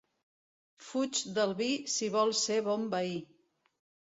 Fuig del vi si vols ser bon veí.